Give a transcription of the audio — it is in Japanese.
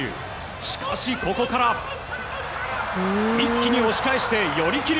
しかし、ここから一気に押し返して、寄り切り。